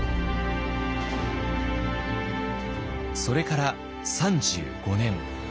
それから３５年。